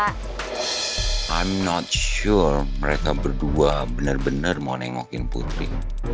i'm not sure mereka berdua bener bener mau nengokin putri